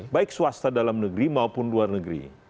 baik swasta dalam negeri maupun luar negeri